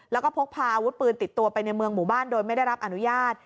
แล้วก็พกพาอาวุธปืนติดตัวไปในเมืองหมู่บ้านโดยไม่ได้รับอนุญาต